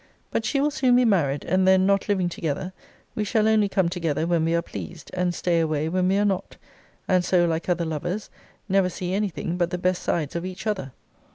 But she will soon be married; and then, not living together, we shall only come together when we are pleased, and stay away when we are not; and so, like other lovers, never see any thing but the best sides of each other.